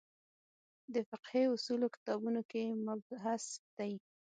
د فقهې اصولو کتابونو کې مبحث دی.